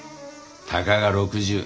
たかが６０。